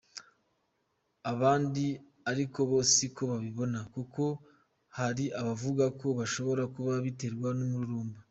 Abandi ariko bo siko babibona kuko hari abavuga ko bishobora kuba biterwa n’umururumba.